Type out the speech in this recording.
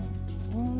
yang di spanyol itu